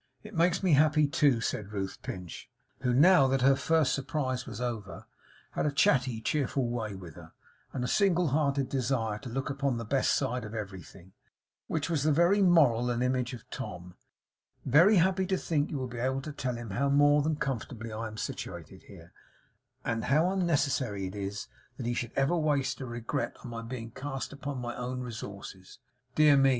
'It makes me happy too,' said Ruth Pinch, who now that her first surprise was over, had a chatty, cheerful way with her, and a single hearted desire to look upon the best side of everything, which was the very moral and image of Tom; 'very happy to think that you will be able to tell him how more than comfortably I am situated here, and how unnecessary it is that he should ever waste a regret on my being cast upon my own resources. Dear me!